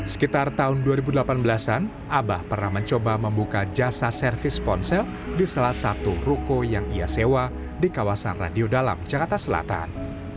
sekitar tahun dua ribu delapan belas an abah pernah mencoba membuka jasa servis ponsel di salah satu ruko yang ia sewa di kawasan radio dalam jakarta selatan